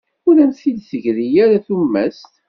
Ur am-d-teggri ara tumast.